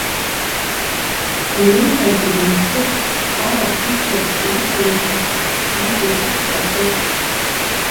Уи ииҳәаз зегьы мцуп, салаԥиҽырц еиқәиршәаз, еидихәыцлаз ауп!